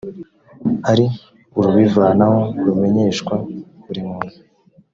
ari urubivanaho rumenyeshwa buri muntu